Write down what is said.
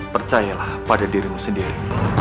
percayalah pada dirimu sendiri